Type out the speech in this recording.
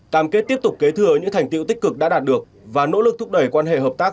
cam kết tiếp tục kế thừa những thành tiệu tích cực đã đạt được và nỗ lực thúc đẩy quan hệ hợp tác